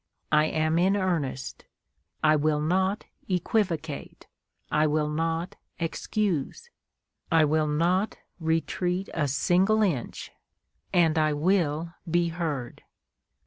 I am in earnest. I will not equivocate; I will not excuse; I will not retreat a single inch _and I will be heard!